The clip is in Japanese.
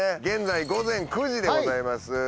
現在午前９時でございます。